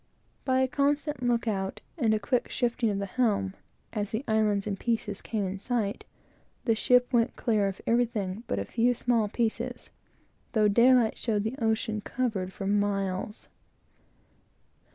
By a constant look out, and a quick shifting of the helm, as the islands and pieces came in sight, the ship went clear of everything but a few small pieces, though daylight showed the ocean covered for miles.